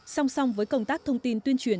song song với công tác thông tin tuyên truyền